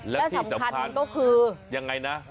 แล้วสำคัญมันก็คือแล้วที่สำคัญยังไงนะ